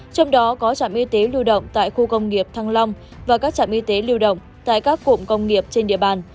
trong đó có trạm y tế lưu động tại khu công nghiệp thăng long và các trạm y tế lưu động tại các cụm công nghiệp trên địa bàn